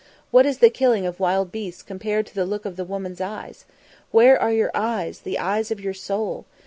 What is the killing of wild beasts compared to the look of the woman's eyes? Where are your eyes, the eyes of your soul?